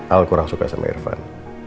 al kurang suka sama irfan